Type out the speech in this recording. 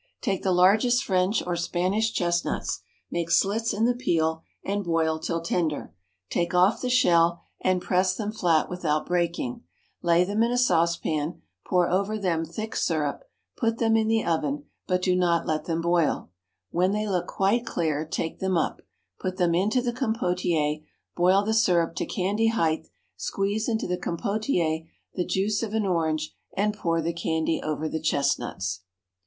_ Take the largest French or Spanish chestnuts, make slits in the peel, and boil till tender; take off the shell, and press them flat without breaking; lay them in a saucepan; pour over them thick syrup; put them in the oven, but do not let them boil; when they look quite clear take them up, put them into the compotier, boil the syrup to candy height, squeeze into the compotier the juice of an orange, and pour the candy over the chestnuts.